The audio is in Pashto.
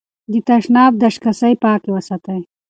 د تشناب دستکشې پاکې وساتئ.